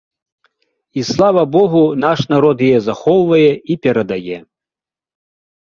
І слава богу, наш народ яе захоўвае і перадае.